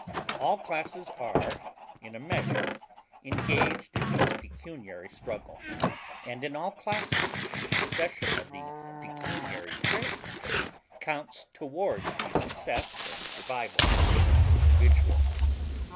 All classes are in a measure engaged in the pecuniary struggle, and in all classes the possession of the pecuniary traits counts towards the success and survival of the individual.